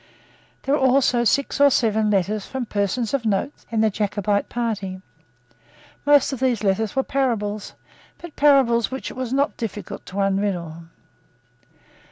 There were also six or seven letters from persons of note in the Jacobite party. Most of these letters were parables, but parables which it was not difficult to unriddle.